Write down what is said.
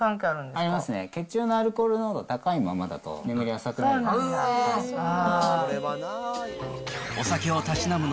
ありますね、血中のアルコール濃度高いままだと、眠り浅くなる。